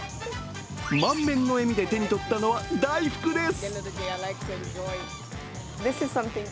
満面の笑みで手にとったのは大福です。